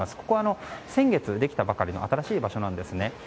ここは先月できたばかりの新しい場所なんです。